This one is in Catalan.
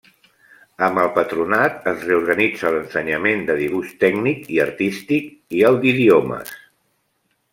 Amb el Patronat es reorganitza l'ensenyament de dibuix tècnic i artístic i el d'idiomes.